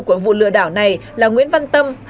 của vụ lừa đảo này là nguyễn văn tâm